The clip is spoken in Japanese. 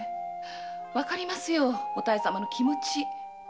わかりますよお妙様の気持ち。